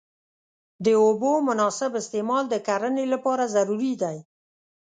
د اوبو مناسب استعمال د کرنې لپاره ضروري دی.